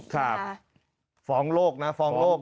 ครับฟ้องโลกนะฟ้องโลก